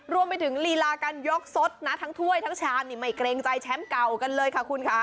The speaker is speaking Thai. รวมไปถึงลีลาการยกสดนะทั้งถ้วยทั้งชามนี่ไม่เกรงใจแชมป์เก่ากันเลยค่ะคุณค่ะ